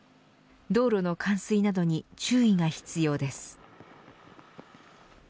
道路の冠水などに注意が必要です。